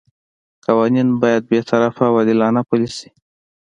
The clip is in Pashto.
قوانین باید بې طرفه او عادلانه پلي شي.